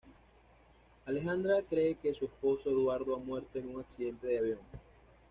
Alejandra cree que su esposo Eduardo ha muerto en un accidente de avión.